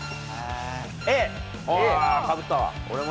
あー、かぶったわ。